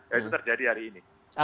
dan itu terjadi hari ini